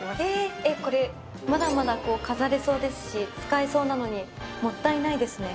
これまだまだ飾れそうですし使えそうなのにもったいないですね。